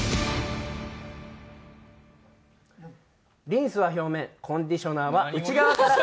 リンスは表面コンディショナーは内側から！